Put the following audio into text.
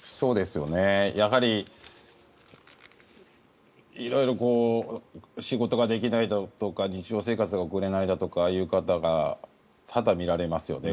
やはり色々、仕事ができないとか日常生活が送れないだとかっていう方が多々、見られますよね。